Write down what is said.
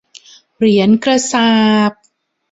เหรียญกระษาปณ์